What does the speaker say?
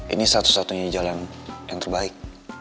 ini satu satunya jalan yang terbaik